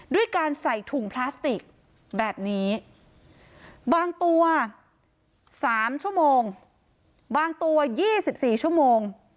ด้วยการใส่ถุงพลาสติกแบบนี้บางตัว๓ชั่วโมงบางตัว๒๔ชั่วโมง